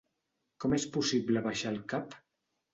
Com és possible abaixar el cap?